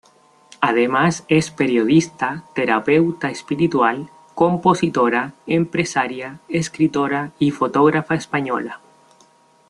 Además, es periodista, terapeuta espiritual, compositora, empresaria, escritora y fotógrafa española.